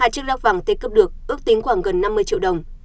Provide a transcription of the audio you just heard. hai chiếc rắc vàng t cấp được ước tính khoảng gần năm mươi triệu đồng